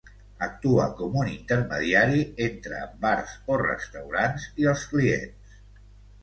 Actua com un intermediari entre bars o restaurants i els clients.